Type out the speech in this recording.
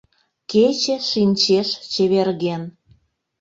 Кече шинчеш чеверген.